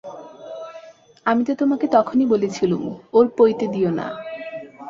আমি তো তোমাকে তখনই বলেছিলুম, ওর পইতে দিয়ো না।